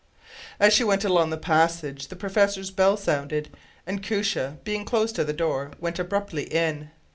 As she went along the passage the professor’s bell sounded, and Koosje, being close to the door, went abruptly in.